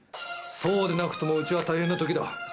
そうでなくともうちは大変なときだ。